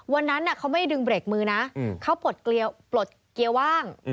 วันนั้นเขาไม่ดึงเบรกมือนะเขาปลดเกียร์ว่าง